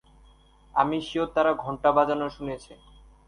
আমি শিওর তারা ঘন্টা বাজানো শুনেছে।